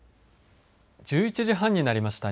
１１時半になりました。